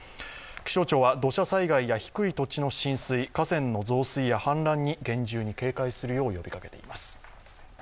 気象庁は土砂災害や低い土地の浸水、河川の増水や氾濫に厳重に警戒する呼びかけています。